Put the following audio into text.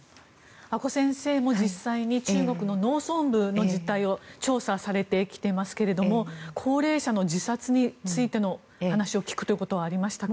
阿古先生も実際に中国の農村部の実態を調査されてきていますが高齢者の自殺についての話を聞くということはありましたか。